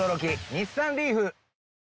日産リーフ！